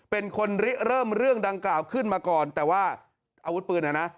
เป็นคนริเริ่มเรื่องดังกล่าวขึ้นมาก่อนแต่ว่าอาวุธปืนอ่ะนะ